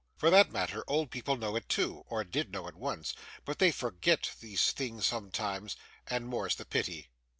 For that matter, old people know it too, or did know it once, but they forget these things sometimes, and more's the pity.